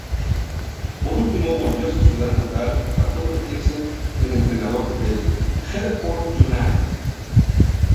Por último, volvió a su ciudad natal para convertirse en entrenador del Hereford United.